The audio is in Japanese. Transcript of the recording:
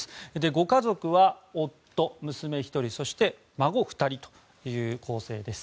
ご家族は夫、娘１人そして孫２人という構成です。